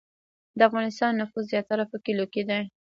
د افغانستان نفوس زیاتره په کلیو کې دی